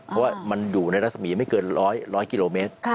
เพราะว่ามันอยู่ในรัศมีร์ไม่เกิน๑๐๐กิโลเมตร